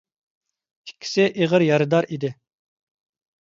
ئىككىسى ئېغىر يارىدار ئىدى.